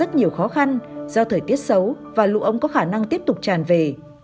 công tác thiếu hộ cứu nạn gặp rất nhiều khó khăn do thời tiết xấu và lũ ống có khả năng tiếp tục tràn về